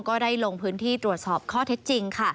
ก็ได้ลงพื้นที่ตรวจสอบข้อเท็จจริงค่ะ